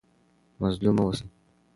مظلوم مه اوسئ.